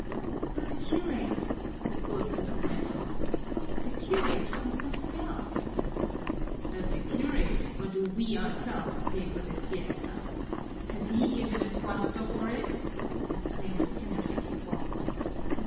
"But the curate," the poor fellow went on, "the curate wants something else." "Does the curate or do we ourselves pay for this fiesta? Has he given a cuarto for it?" exclaimed a penetrating voice.